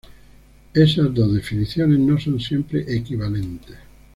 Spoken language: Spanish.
Esas dos definiciones no son siempre equivalentes.